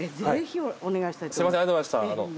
ぜひお願いしたい。